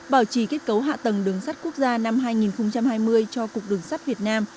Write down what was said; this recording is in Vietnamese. bảo trì kết cấu hạ tầng đường sắt quốc gia năm hai nghìn hai mươi cho cục đường sắt việt nam